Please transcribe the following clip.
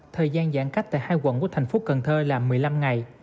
thời gian giãn cách tại hai quận của thành phố cần thơ là một mươi năm ngày